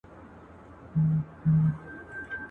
د خلگو زور د خداى زور دئ.